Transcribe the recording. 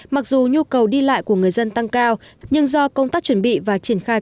mặc dù nhu cầu đi lại của người dân tăng cao nhưng do công tác chuẩn bị và triển khai